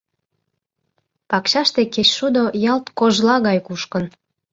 Пакчаште кечшудо ялт кожла гай кушкын.